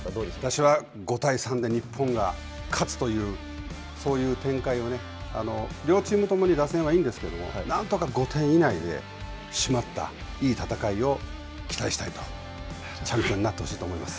私は５対３で日本が勝つという、そういう展開をね、両チームともに打線はいいんですけれども、なんとか５点以内で締まった、いい戦いを期待したいと、チャンピオンになってほしいと思います。